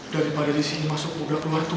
daripada di sini masuk udah keluar tuh